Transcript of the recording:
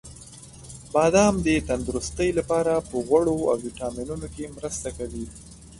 • بادام د تندرستۍ لپاره په غوړو او ویټامینونو کې مرسته کوي.